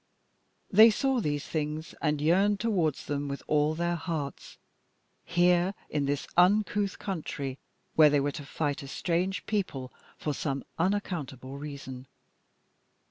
They saw these things and yearned towards them with all their hearts, here in this uncouth country where they were to fight a strange people for some unaccountable reason.